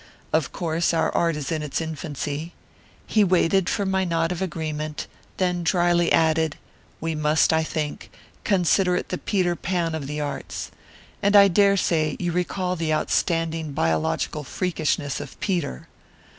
'Of course our art is in its infancy ' He waited for my nod of agreement, then dryly added, 'We must, I think, consider it the Peter Pan of the arts. And I dare say you recall the outstanding biological freakishness of Peter.